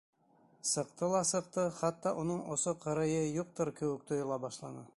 Сыҡты ла сыҡты, хатта уның осо-ҡырыйы юҡтыр кеүек тойола башланы.